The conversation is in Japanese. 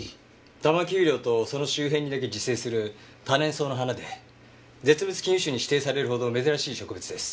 多摩丘陵とその周辺にだけ自生する多年草の花で絶滅危惧種に指定されるほど珍しい植物です。